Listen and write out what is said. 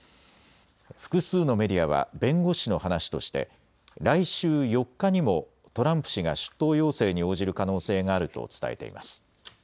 複数のメディアは弁護士の話として来週４日にもトランプ氏が出頭要請に応じる可能性があると伝えています。